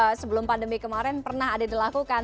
ya mungkin sebelum pandemi kemarin pernah ada dilakukan